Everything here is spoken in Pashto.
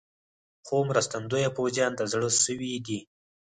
خو مرستندویه پوځیان د زړه سوي دي.